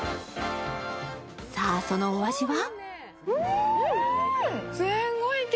さあ、そのお味は？